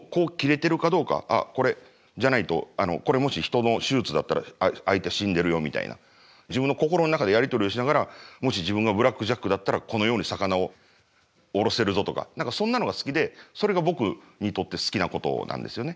「あっこれじゃないとこれもし人の手術だったら相手死んでるよ」みたいな自分の心の中でやり取りをしながらもし自分がブラック・ジャックだったらこのように魚をおろせるぞとか何かそんなのが好きでそれが僕にとって好きなことなんですよね。